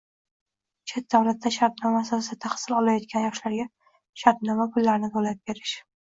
Chet davlatda shartnoma asosida taxsil olayotgan yoshlarga shartnoma pullarini to‘lab berish